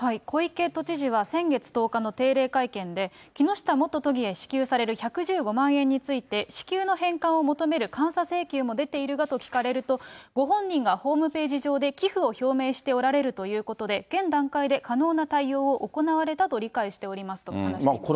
小池都知事は先月１０日の定例会見で、木下元都議へ支給される１１５万円について、支給の返還を求める監査請求も出ているがと聞かれると、ご本人がホームページ上で、寄付を表明しておられるということで、現段階で可能な対応を行われたと理解しておりますと話していまし